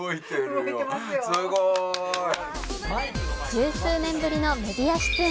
十数年ぶりのメディア出演。